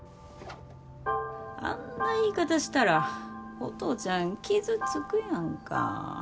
あんな言い方したらお父ちゃん傷つくやんか。